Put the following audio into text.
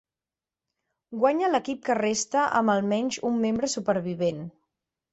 Guanya l'equip que resta amb al menys un membre supervivent.